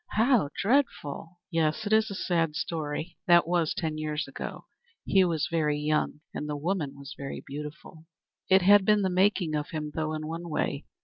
"How dreadful!" "Yes, it is a sad story. That was ten years ago. He was very young and the woman was very beautiful. It has been the making of him, though, in one way.